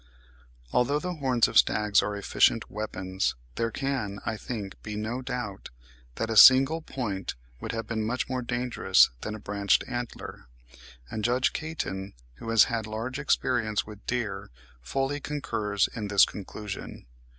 '] Although the horns of stags are efficient weapons, there can, I think, be no doubt that a single point would have been much more dangerous than a branched antler; and Judge Caton, who has had large experience with deer, fully concurs in this conclusion.